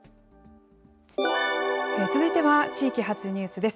続いては、地域発ニュースです。